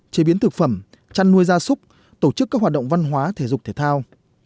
chế biến thực phẩm chăn nuôi gia súc tổ chức các hoạt động văn hóa thể dục thể thao